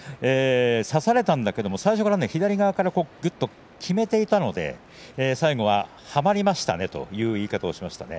差されたんだけれども初めから左からきめていたので最後は、はまりましたねという言い方をしていました。